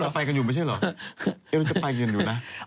เขาจะไปกันอยู่ไม่ใช่เหรออะไรจะไปอยู่นะสานกันอยู่นะ